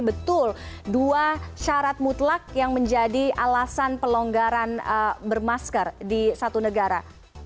betul dua syarat mutlak yang menjadi alasan pelonggaran bermasker di satu negara